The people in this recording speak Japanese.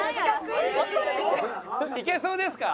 いけそうですか？